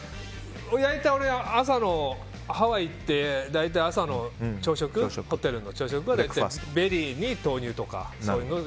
大体、俺はハワイ行って朝の朝食ホテルの朝食はベリーに豆乳とか。